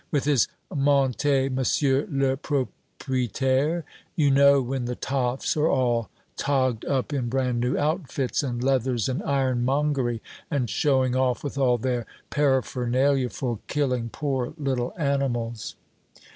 With his 'Montez, monsieur le Propritaire!' you know, when the toffs are all togged up in brand new outfits and leathers and ironmongery, and showing off with all their paraphernalia for killing poor little animals!"